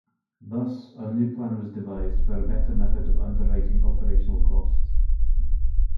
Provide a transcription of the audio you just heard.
Thus, a new plan was devised for a better method of underwriting operational costs.